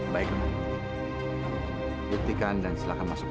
saya pegang janjikanmu